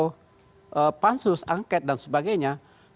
kalau itu harus angket dan sebagainya